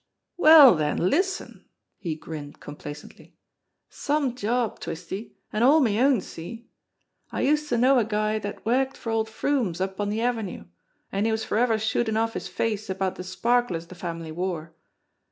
"Well, den, listen !" he grinned complacently. "Some job, Twisty; an' all me own see? I used to know a guy dat worked for old Froomes up on de Avenue, an' he was for ever shootin' off his face about de sparklers de family wore.